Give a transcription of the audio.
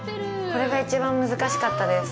これが一番難しかったです。